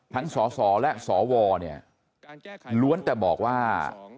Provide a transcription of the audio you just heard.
สสและสวเนี่ยล้วนแต่บอกว่า